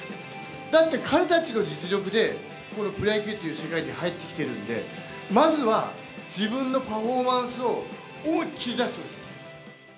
だって彼たちの実力で、このプロ野球という世界に入ってきてるんで、まずは自分のパフォーマンスを思いっ切り出してほしいですね。